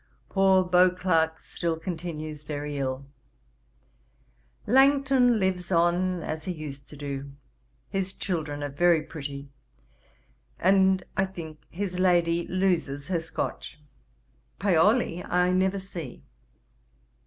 'Poor Beauclerk still continues very ill. Langton lives on as he used to do. His children are very pretty, and, I think, his lady loses her Scotch. Paoli I never see.